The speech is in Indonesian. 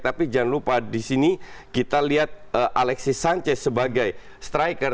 tapi jangan lupa disini kita lihat alexis sanchez sebagai striker